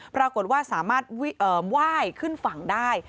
ปรากฏว่าสามารถไหว้ขึ้นฝั่งได้